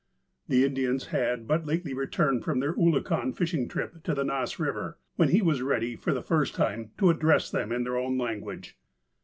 The Indians had but lately returned from their oolakan fishing trip to the Nass Eiver, when he was ready, for the first time, to address them in their own language.